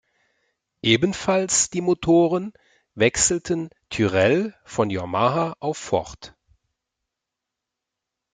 Ebenfalls die Motoren wechselten Tyrrell von Yamaha auf Ford.